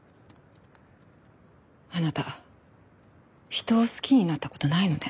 あなた人を好きになった事ないのね。